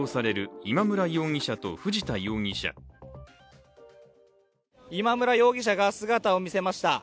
今村容疑者が姿を見せました。